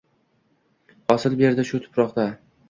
Hosil berdi shu tuprokda